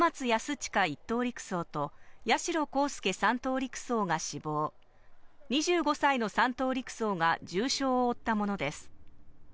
親１等陸曹と八代航佑３等陸曹が死亡、２５歳の３等陸曹が重傷を負ったものです。